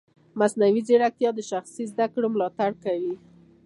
مصنوعي ځیرکتیا د شخصي زده کړې ملاتړ کوي.